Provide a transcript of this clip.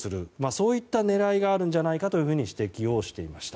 そんな狙いがあるんじゃないかと指摘していました。